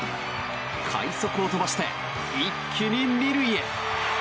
快足を飛ばして一気に２塁へ。